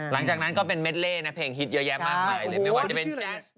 หลังจากนั้นก็เป็นเมลห์เพลงฮิตเยอะแยะมากมายเลย